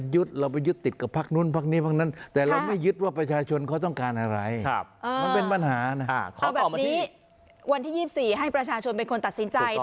วันนี้๒๔ให้ประชาชนตัดสินใจ